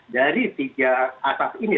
dari tiga asas ini